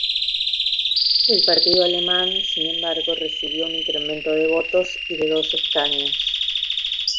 El Partido Alemán, sin embargo, recibió un incremento de votos y de dos escaños.